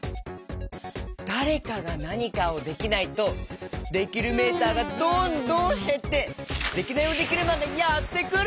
だれかがなにかをできないとできるメーターがどんどんへってデキナイヲデキルマンがやってくる！